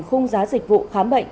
khung giá dịch vụ khám bệnh